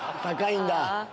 高いんだ。